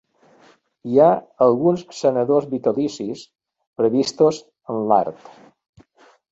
Hi ha alguns senadors vitalicis, previstos en l'art.